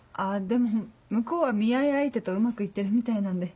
でも向こうは見合い相手とうまく行ってるみたいなんで。